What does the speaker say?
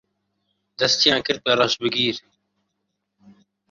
دەستیان کرد بە ڕەشبگیر